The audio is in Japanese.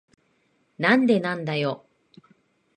なんでなんだよ。